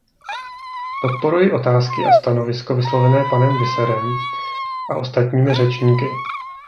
Podporuji otázky a stanovisko vyslovené panem Visserem a ostatními řečníky.